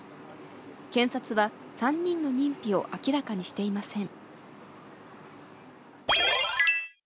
検察は３人の認否を明らかにしていません。